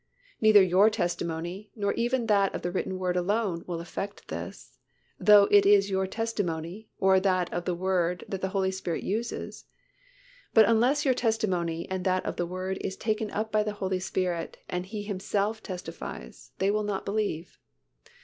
Neither your testimony, nor even that of the written Word alone will effect this, though it is your testimony, or that of the Word that the Holy Spirit uses. But unless your testimony and that of the Word is taken up by the Holy Spirit and He Himself testifies, they will not believe.